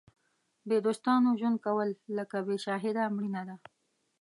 بې دوستانو ژوند کول لکه بې شاهده مړینه ده.